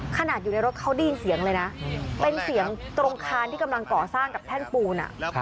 ขนาดอยู่ในรถเขาได้ยินเสียงเลยนะเป็นเสียงตรงคานที่กำลังก่อสร้างกับแท่นปูน